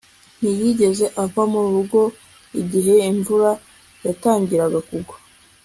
Ntiyigeze ava mu rugo igihe imvura yatangiraga kugwa